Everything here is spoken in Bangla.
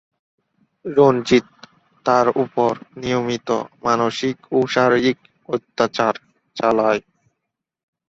রঞ্জিত তার ওপর নিয়মিত মানসিক ও শারীরিক অত্যাচার চালায়।